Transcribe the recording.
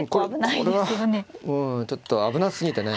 これはうんちょっと危なすぎてね。